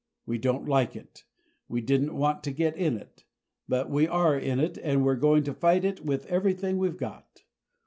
We don't like it we didn't want to get in it but we are in it and we're going to fight it with everything we've got.